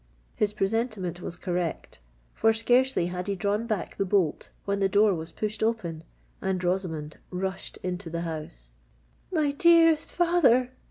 His presentiment was correct;—for, scarcely had he drawn back the bolt, when the door was pushed open—and Rosamond rushed into the house. "My dearest father!"